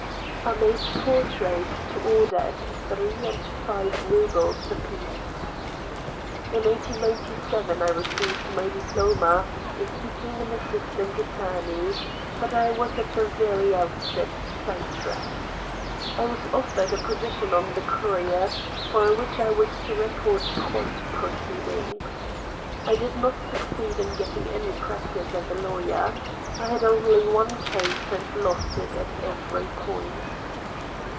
I made por traits to order at 3 and 5 rubles a piece. "In 1897 I received my diploma and became an assistant attorney, but I was at the very outset sidetracked. I was offered a position on The Courier, for which I was to report court proceed ings. I did not succeed in getting any practice as a lawyer. I had only one case and lost it at every point.